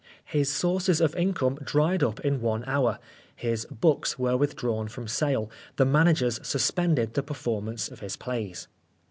His sources of income dried up in one hour ; his books were withdrawn from sale ; the managers suspended the performance of his plays.